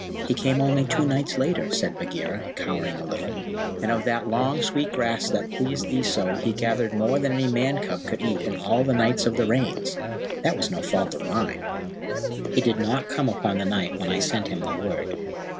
"He came only two nights later," said Bagheera, cowering a little; "and of that long, sweet grass that pleased thee so he gathered more than any Man cub could eat in all the nights of the Rains. That was no fault of mine." "He did not come upon the night when I sent him the word.